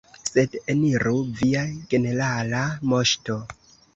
Sed, eniru, Via Generala Moŝto!